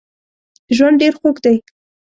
ژوند ډېر خوږ دی